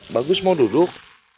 bagus mau duduk